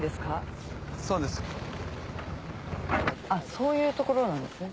そういうところなんですね。